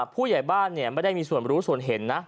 ผู้ใหญ่บ้านไม่ได้มีส่วนรู้ส่วนเห็นนะ